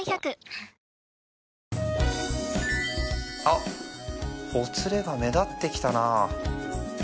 あっほつれが目立ってきたな